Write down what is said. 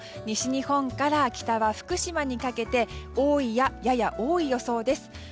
西日本から北は福島にかけて多いや、やや多い予想です。